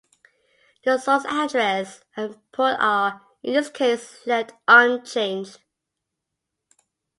The source address and port are, in this case, left unchanged.